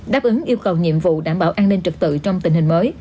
đáp ứng yêu cầu nhiệm vụ đảm bảo an ninh trật tự trong tình hình mới